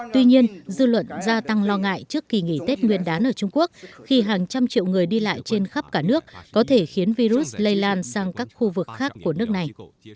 tuy nhiên dư luận gia tăng lo ngại trước kỳ nghỉ tết nguyên đán ở trung quốc khi hàng trăm triệu người đi lại trên khắp cả nước có thể khiến virus lây lan sang các khu vực khác của nước này